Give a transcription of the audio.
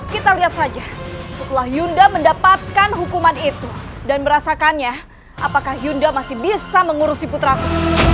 kita lihat saja setelah yunda mendapatkan hukuman itu dan merasakannya apakah hyunda masih bisa mengurusi putraku